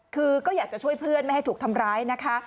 คือก็อยากจะช่วยเพื่อนไม่ให้ถูกทำร้ายนะคะ